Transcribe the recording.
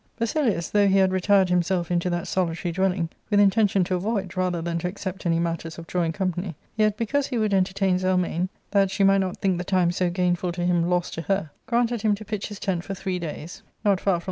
Basilius, though he had retired himself into that solitary dwelling, with inten tion to avoid rather than to accept any matters of drawing company, yet, because he would entertain Zelmane, that she might not think the time so gainful to him loss to her, granted him to pitch his tent for three days not far from the * With its eyes blindfolded.